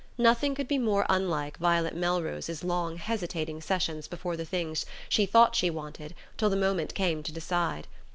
Nothing could be more unlike Violet Melrose's long hesitating sessions before the things she thought she wanted till the moment came to decide.